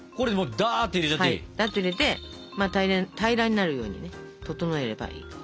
ダって入れて平らになるようにね整えればいいと。